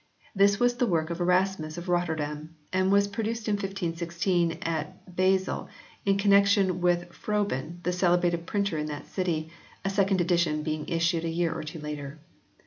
This was the work of Erasmus of Rotterdam, and was produced in 1516 at Basle in connection with Froben, the celebrated printer in that city, a second edition being issued a year or two later.